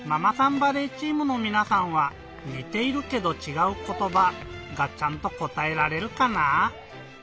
バレーチームのみなさんは「にているけどちがうことば」がちゃんとこたえられるかな？